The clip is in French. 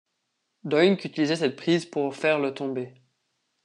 Doink utilisait cette prise pour faire le tomber.